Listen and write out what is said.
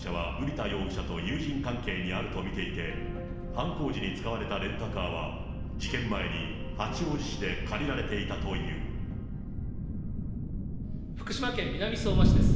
警察は、江口容疑者は瓜田容疑者と友人関係にあると見ていて、犯行時に使われたレンタカーは、事件前に、八王子市で借りられてい福島県南相馬市です。